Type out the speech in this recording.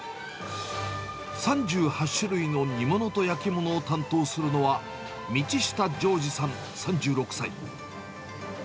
３８種類の煮物と焼き物を担当するのは、道下譲二さん３６歳。